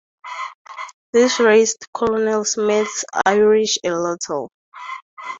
This raised Colonel Smith's Irish a little.